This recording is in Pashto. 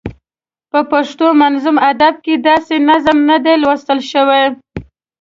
په پښتو منظوم ادب کې داسې نظم نه دی لوستل شوی.